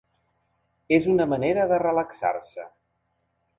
És una manera de relaxar-se.